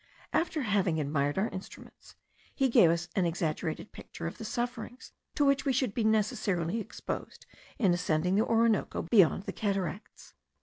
After having admired our instruments, he gave us an exaggerated picture of the sufferings to which we should be necessarily exposed in ascending the Orinoco beyond the cataracts.